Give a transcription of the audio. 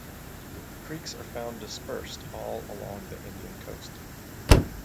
Creeks are found dispersed all along the Indian coast.